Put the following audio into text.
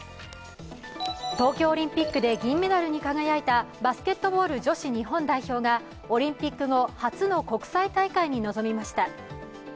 東京オリンピックで銀メダルに輝いたバスケットボール女子日本代表がオリンピック後、初の国際大会に臨みました。